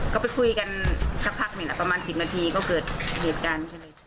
ก็ไปคุยกันสักพักนิดละประมาณ๑๐นาทีก็เกิดเหตุการณ์